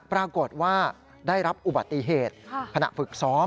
ปรากฏว่าได้รับอุบัติเหตุขณะฝึกซ้อม